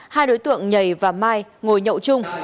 hai đối tượng nhảy và mai ngồi nhậu chung